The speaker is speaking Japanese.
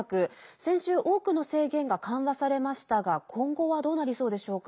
先週、多くの制限が緩和されましたが今後はどうなりそうでしょうか。